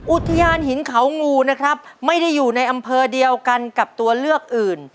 อุทยานหินเขางูนะครับไม่ได้อยู่ในอำเภอเดียวกันกับตัวเลือกอื่น